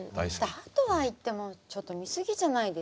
だとはいってもちょっと見過ぎじゃないですか。